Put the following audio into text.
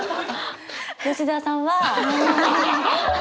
吉澤さんは。